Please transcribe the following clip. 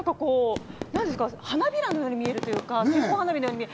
花びらのように見えるというか。